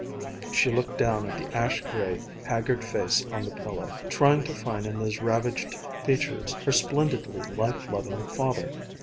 She looked down at the ash gray, haggard face on the pillow, trying to find in those ravaged features her splendidly life loving father.